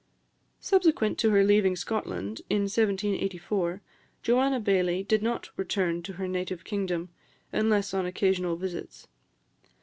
Subsequent to her leaving Scotland, in 1784, Joanna Baillie did not return to her native kingdom, unless on occasional visits.